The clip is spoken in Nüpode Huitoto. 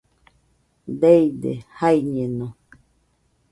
Deide, jaiñeno.